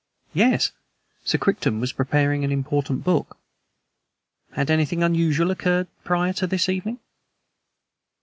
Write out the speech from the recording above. "Yes. Sir Crichton was preparing an important book." "Had anything unusual occurred prior to this evening?"